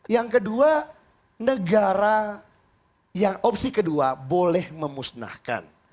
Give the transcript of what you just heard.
yang kedua negara yang opsi kedua boleh memusnahkan